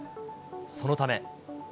そのため。